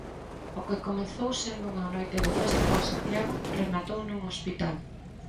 O que comezou sendo unha noite de festa para Santiago, rematou nun hospital.